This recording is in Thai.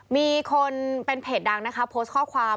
มีคนเป็นเพจดังนะคะโพสต์ข้อความ